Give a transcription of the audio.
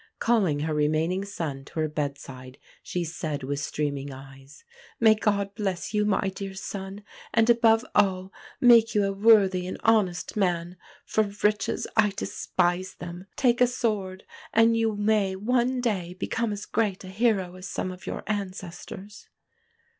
Calling her remaining son to her bedside she said, with streaming eyes: "May God bless you, my dear son; and, above all, make you a worthy and honest man; for riches, I despise them. Take a sword, and you may one day become as great a hero as some of your ancestors."